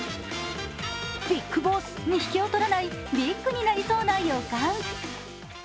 ビッグボスにひけをとらないビッグになりそうな予感。